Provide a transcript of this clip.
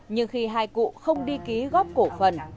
nhưng khi hai cụ không đi ký góp cổ phần